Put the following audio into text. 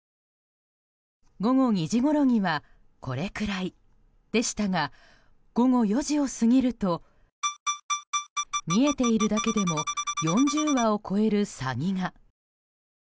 午後２時ごろにはこれくらいでしたが午後４時を過ぎると見えているだけでも４０羽を超えるサギが。